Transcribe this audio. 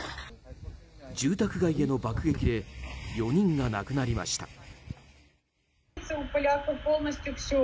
住宅街への爆撃で４人が亡くなりました。